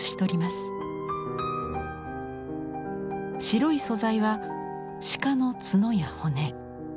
白い素材は鹿の角や骨。